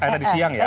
tadi siang ya